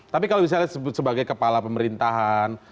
tapi kalau misalnya sebagai kepala pemerintahan